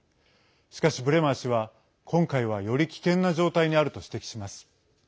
しかしブレマー氏は今回はより危険な状態にあると指摘します。